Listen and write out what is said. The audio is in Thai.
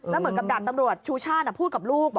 แล้วเหมือนกับดาบตำรวจชูชาติพูดกับลูก